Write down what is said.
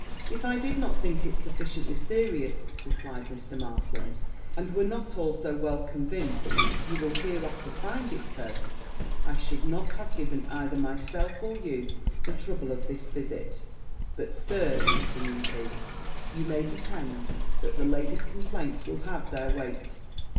'If I did not think it sufficiently serious,' replied Mr. Markland, 'and were not also well convinced you will hereafter find it so, I should not have given either myself or you the trouble of this visit: but, Sir,' continued he, 'you may depend that the lady's complaints will have their weight.'